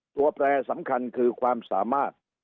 แปรสำคัญคือความสามารถ